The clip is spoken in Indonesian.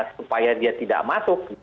supaya dia tidak masuk